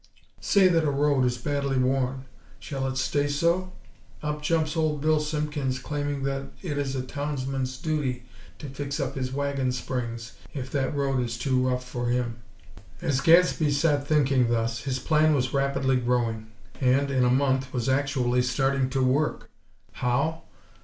Say that a road is badly worn. Shall it stay so? Up jumps Old Bill Simpkins claiming that it is a townsman's duty to fix up his wagon springs if that road is too rough for him!" As Gadsby sat thinking thus, his plan was rapidly growing; and, in a month, was actually starting to work. How?